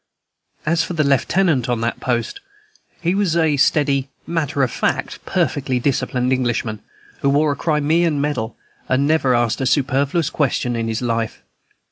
As for the lieutenant on that post, he was a steady, matter of fact, perfectly disciplined Englishman, who wore a Crimean medal, and never asked a superfluous question in his life.